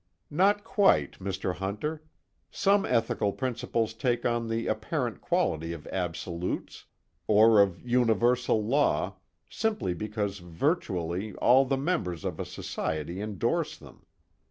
"Not quite, Mr. Hunter. Some ethical principles take on the apparent quality of absolutes, or of universal law, simply because virtually all the members of a society endorse them.